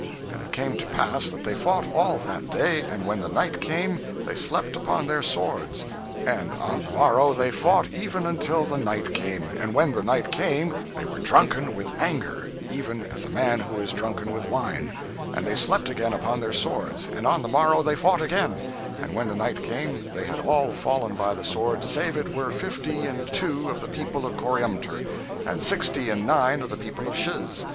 And it came to pass that they fought all that day, and when the night came they slept upon their swords; and on the morrow they fought even until the night came; and when the night came they were drunken with anger, even as a man who is drunken with wine; and they slept again upon their swords; and on the morrow they fought again; and when the night came they had all fallen by the sword save it were fifty and two of the people of Coriantumr, and sixty and nine of the people of Shiz.